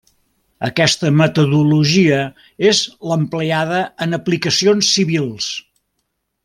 Aquesta metodologia és l'empleada en aplicacions civils.